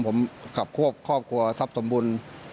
ผมจะกรับครอบครัวทรัพย์สมบุญ